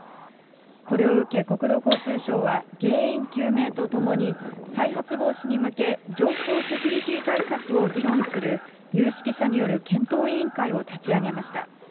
これを受け、国土交通省は原因究明とともに、再発防止に向け、情報セキュリティー対策を議論する有識者による検討委員会を立ち上げました。